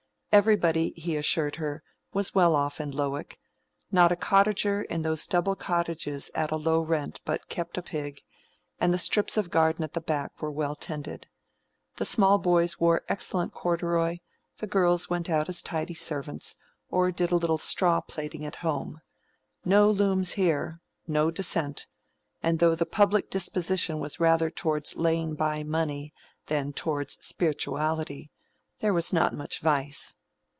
Everybody, he assured her, was well off in Lowick: not a cottager in those double cottages at a low rent but kept a pig, and the strips of garden at the back were well tended. The small boys wore excellent corduroy, the girls went out as tidy servants, or did a little straw plaiting at home: no looms here, no Dissent; and though the public disposition was rather towards laying by money than towards spirituality, there was not much vice.